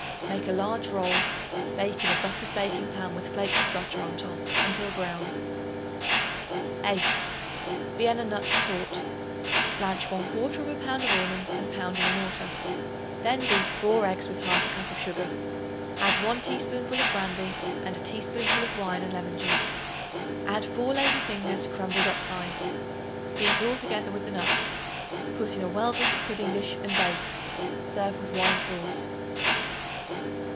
Make a large roll; bake in a buttered baking pan with flakes of butter on top until brown. 8. Vienna Nut Torte. Blanch 1/4 pound of almonds and pound in a mortar. Then beat 4 eggs with 1/2 cup of sugar. Add 1 teaspoonful of brandy and a teaspoonful of wine and lemon juice; add 4 lady fingers crumbled up fine. Beat all together with the nuts; put in a well buttered pudding dish and bake. Serve with wine sauce.